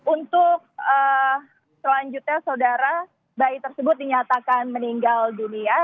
untuk selanjutnya saudara bayi tersebut dinyatakan meninggal dunia